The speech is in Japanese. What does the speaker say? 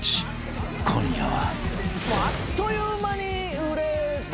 ［今夜は］